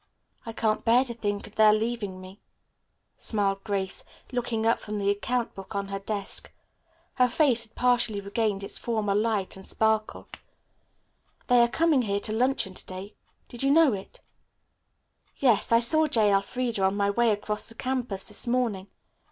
"I can't bear to think of their leaving me," smiled Grace, looking up from the account book on her desk. Her face had partially regained its former light and sparkle. "They are coming here to luncheon to day. Did you know it?" "Yes, I saw J. Elfreda on my way across the campus this morning.